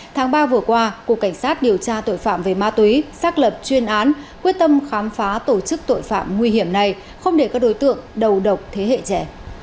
tháng ba vừa qua cục cảnh sát điều tra tội phạm về ma túy xác lập chuyên án quyết tâm khám phá tổ chức tội phạm nguy hiểm này không để các đối tượng đầu độc thế hệ trẻ